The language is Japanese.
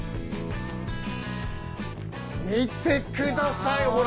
見てくださいほら。